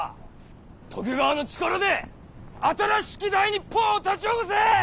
徳川の力で新しき大日本を立ち起こせ！